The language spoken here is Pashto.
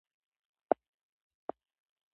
نه ګدون يا محفل کې د ګوتو په شمار خلک